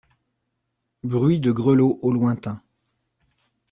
Bruit de grelots au lointain.